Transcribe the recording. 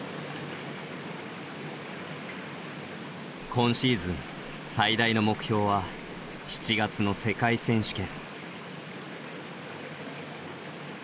今シーズン最大の目標は７月の世界選手権。